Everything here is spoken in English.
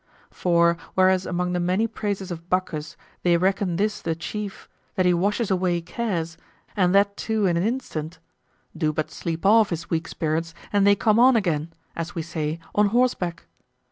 For whereas among the many praises of Bacchus they reckon this the chief, that he washes away cares, and that too in an instant, do but sleep off his weak spirits, and they come on again, as we say, on horseback.